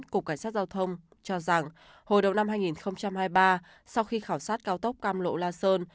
cục cảnh sát giao thông cho rằng hồi đầu năm hai nghìn hai mươi ba sau khi khảo sát cao tốc cam lộ la sơn